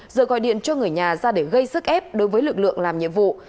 rồi gọi điện cho người nhà ra để gây sức ép đối với lực lượng làm nhiệm vụ